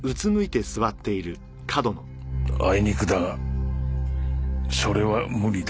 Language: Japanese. あいにくだがそれは無理だ。